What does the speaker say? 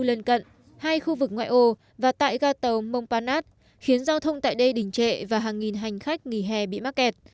lân cận hai khu vực ngoại ô và tại ga tàu monpanas khiến giao thông tại đây đỉnh trệ và hàng nghìn hành khách nghỉ hè bị mắc kẹt